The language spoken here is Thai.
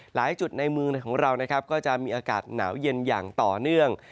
หลายจุดในเมืองของเรานะครับก็จะมีอากาศหนาวเย็นอย่างต่อเนื่อง